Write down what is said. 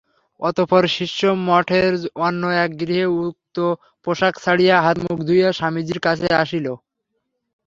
অতঃপর শিষ্য মঠের অন্য এক গৃহে উক্ত পোষাক ছাড়িয়া হাতমুখ ধুইয়া স্বামীজীর কাছে আসিল।